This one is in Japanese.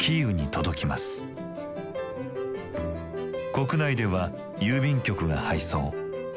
国内では郵便局が配送。